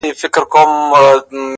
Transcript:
• کرۍ ورځ ګرځي د کلیو پر مردارو,